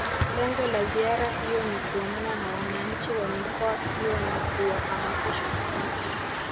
Lengo la ziara hiyo ni kuonana na wananchi wa mikoa hiyo na kuwahamasisha